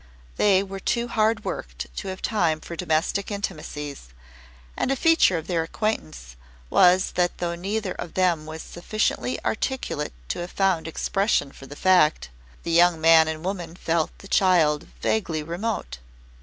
They were too hard worked to have time for domestic intimacies, and a feature of their acquaintance was that though neither of them was sufficiently articulate to have found expression for the fact the young man and woman felt the child vaguely remote.